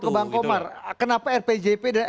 ke bang komar kenapa rpjp dan